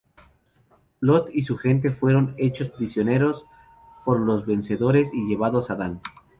Lot y su gente fueron hechos prisioneros por los vencedores y llevados a Dan.